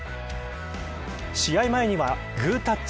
試合前には、グータッチ。